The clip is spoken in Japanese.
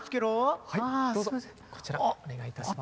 はいどうぞこちらお願いいたします。